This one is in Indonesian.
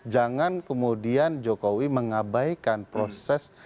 jangan kemudian jokowi mengabaikan proses